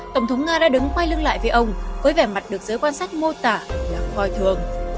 tổng thống nga đã đứng quay lưng lại với ông với vẻ mặt được giới quan sát mô tả là coi thường